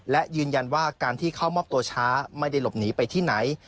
และยืนยันว่าการที่เข้ามอบตัวช้าไม่ได้หลบหนีไปที่ไหน